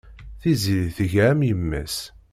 Tiziri tga am yemma-s.